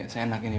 seenak ini mas